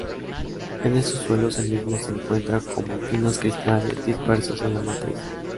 En estos suelos el mismo se encuentra como finos cristales dispersos en la matriz.